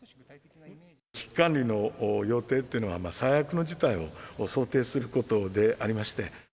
危機管理の要諦っていうのは、最悪の事態を想定することでありまして。